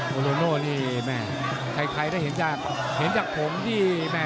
โวโรโนนี่แม่ใครเห็นจากผมที่แม่ข้างหน้า